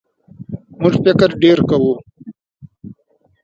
موږ فکر ډېر کوو.